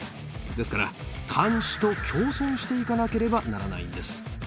ですから、監視と共存していかなければならないんです。